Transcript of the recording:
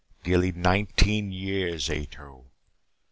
Nearly nineteen years, Ato!